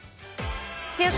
「週刊！